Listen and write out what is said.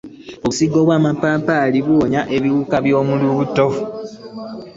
Obusigo bwa mapaapaali buwonya ebiwuka byo mu lubuto.